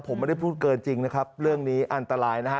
ผมไม่ได้พูดเกินจริงนะครับเรื่องนี้อันตรายนะฮะ